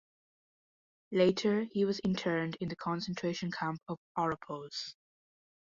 Later he was interned in the concentration camp of Oropos.